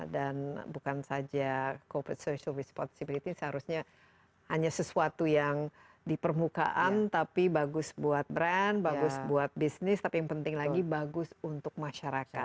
dan bukan saja corporate social responsibility seharusnya hanya sesuatu yang di permukaan tapi bagus buat brand bagus buat bisnis tapi yang penting lagi bagus untuk masyarakat